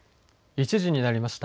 １時になりました。